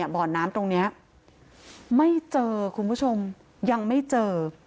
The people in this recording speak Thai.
บ่อน้ำตรงนี้ไม่เจอคุณผู้ชมยังไม่เจอ